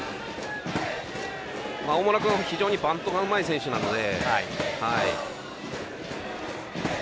大村君は非常にバントがうまい選手なので。